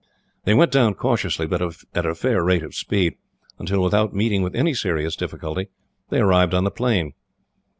They went down cautiously, but at a fair rate of speed; until, without meeting with any serious difficulty, they arrived on the plain.